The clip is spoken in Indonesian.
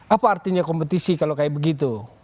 apa artinya kompetisi kalau kayak begitu